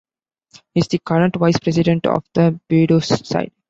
He is the current Vice-President of the Boedo's side.